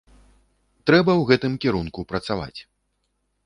Трэба ў гэтым кірунку працаваць.